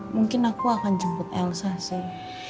mungkin aku akan jemput elsa